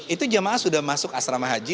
itu jemaah sudah masuk asrama haji